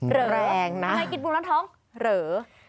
เหลือทำไมกินปูนร้อนท้องเหลือ